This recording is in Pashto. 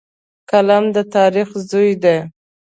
قلم د تاریخ زوی دی